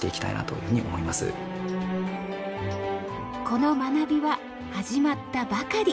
この学びは始まったばかり。